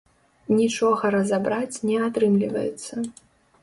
Нічога разабраць не атрымлівацца.